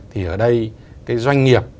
thì ở đây cái doanh nghiệp